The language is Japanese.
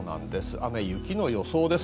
雨、雪の予想です。